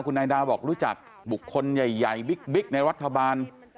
คุณนายดาวบอกรู้จักบุคคลใหญ่บิ๊กในรัฐบาล